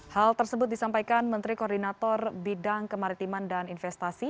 hal tersebut disampaikan menteri koordinator bidang kemaritiman dan investasi